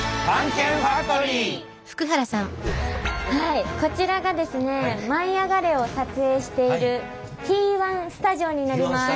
はいこちらがですね「舞いあがれ！」を撮影しているＴ１スタジオになります。